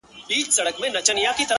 o خیر حتمي کارونه مه پرېږده. کار باسه.